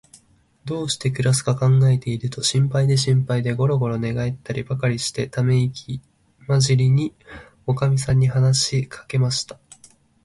どうしてくらすかかんがえると、心配で心配で、ごろごろ寝がえりばかりして、ためいきまじりに、おかみさんに話しかけました。